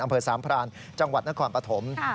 อำเภอสามพรานจังหวัดนครปฐม